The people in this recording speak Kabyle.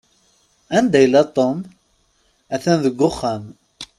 Anda yella Tom? At-an deg uxxam.